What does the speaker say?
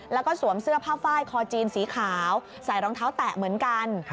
แล้วก็สวมเสื้อผ้าไฟคอจีนสีขาวใส่รองเท้าแตะเหมือนกัน